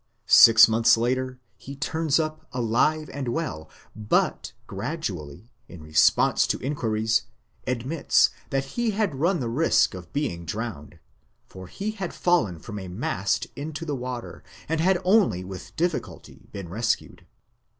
Six months later he turns up alive and well; but, gradually, in response to inquiries, admits that he had run the risk of being drowned, for he had fallen from a mast into the water, and had only with difficulty been rescued.